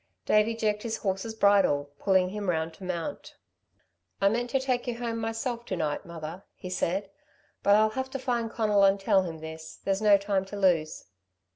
'" Davey jerked his horse's bridle, pulling him round to mount. "I meant to take you home myself to night, mother," he said. "But I'll have to find Conal and tell him this. There's no time to lose."